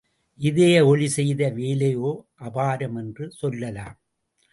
இதய ஒலி செய்த வேலையோ அபாரம் என்று சொல்லலாம்.